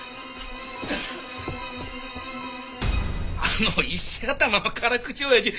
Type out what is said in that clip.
あの石頭の辛口おやじ